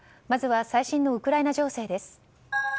まずは最新のウクライナ情勢です。